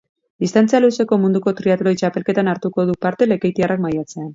Distantzia luzeko munduko triatloi txapelketan hartuko du parte lekeitiarrak maiatzean.